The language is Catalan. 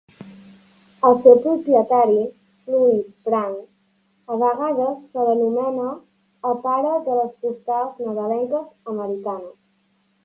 El seu propietari, Louis Prang, a vegades se l'anomena el pare de les postals Nadalenques americanes.